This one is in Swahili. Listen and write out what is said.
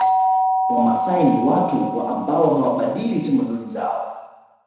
Wamasai ni watu wa ambao hawabadili tamaduni zao